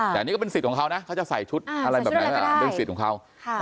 แต่อันนี้ก็เป็นสิทธิ์ของเขานะเขาจะใส่ชุดอะไรแบบไหนเป็นสิทธิ์ของเขา